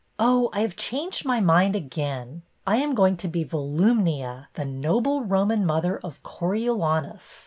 " Oh, I have changed my mind again. I am going to be Volumnia, the noble Roman mother of Coriolanus.